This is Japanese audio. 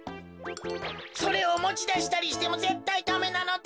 それをもちだしたりしてもぜったいダメなのだ。